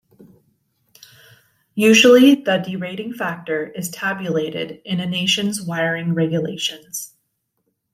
Usually the derating factor is tabulated in a nation's wiring regulations.